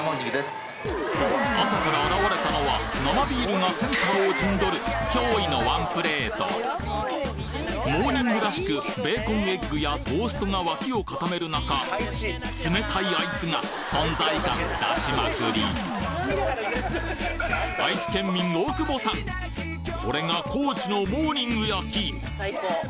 朝から現れたのは生ビールがセンターを陣取る驚異のワンプレートモーニングらしくベーコンエッグやトーストが脇を固める中冷たいアイツが存在感出しまくり愛知県民大久保さんこれが高知のモーニングやき